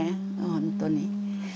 本当に。